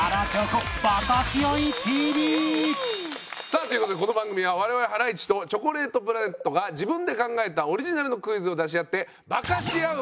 さあという事でこの番組は我々ハライチとチョコレートプラネットが自分で考えたオリジナルのクイズを出し合ってバカし合う番組でございます。